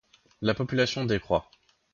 La population décroît.